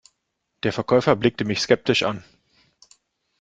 Der Verkäufer blickte mich skeptisch an.